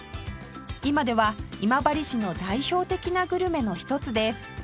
今では今治市の代表的なグルメの一つです